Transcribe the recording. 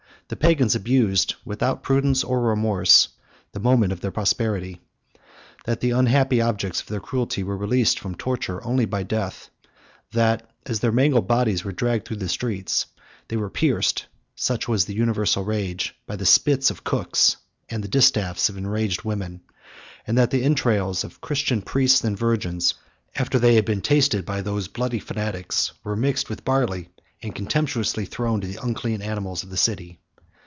the Pagans abused, without prudence or remorse, the moment of their prosperity. That the unhappy objects of their cruelty were released from torture only by death; and as their mangled bodies were dragged through the streets, they were pierced (such was the universal rage) by the spits of cooks, and the distaffs of enraged women; and that the entrails of Christian priests and virgins, after they had been tasted by those bloody fanatics, were mixed with barley, and contemptuously thrown to the unclean animals of the city.